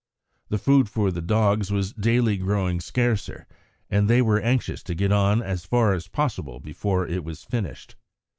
The food for the dogs was daily growing scarcer, and they were anxious to get on as far as possible before it was finished.